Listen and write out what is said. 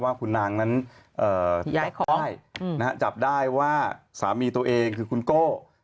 ว่าคุณนางนั้นจับได้ว่าสามีตัวเองคือคุณโก้